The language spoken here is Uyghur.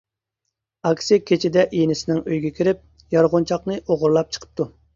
ئاكىسى كېچىدە ئىنىسىنىڭ ئۆيىگە كىرىپ يارغۇنچاقنى ئوغرىلاپ چىقىپتۇ.